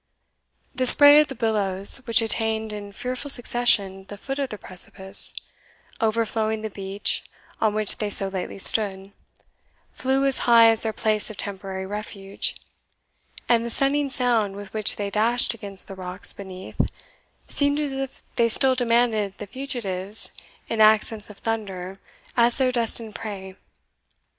The spray of the billows, which attained in fearful succession the foot of the precipice, overflowing the beach on which they so lately stood, flew as high as their place of temporary refuge; and the stunning sound with which they dashed against the rocks beneath, seemed as if they still demanded the fugitives in accents of thunder as their destined prey.